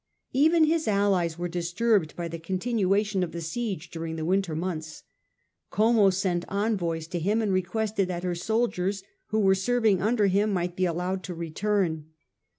Even his allies were disturbed by the continuation of the siege during the winter months. Como sent envoys to him and requested that her soldiers who were serving under him might be allowed to return.